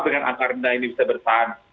dengan angka rendah ini bisa bertahan